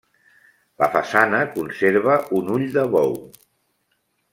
La façana conserva un ull de bou.